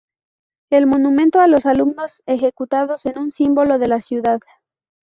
El monumento a los alumnos ejecutados es un símbolo de la ciudad.